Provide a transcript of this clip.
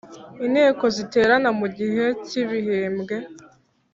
Inteko ziterana mu gihe cy’ibihembwe